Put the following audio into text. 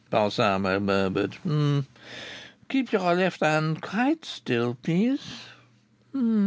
Balsamo murmured. "Keep your left hand quite still, please.